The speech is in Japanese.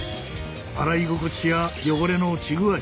洗い心地や汚れの落ち具合